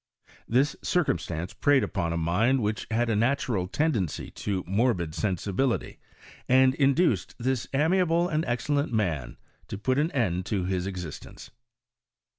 This circumstance preyed upon a mind which had a natural tendency to morbid sensibility, and induced this amiable and excellent mao to put an end to his existence.